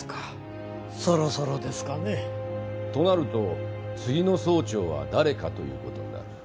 そろそろですかね。となると次の総長は誰かという事になる。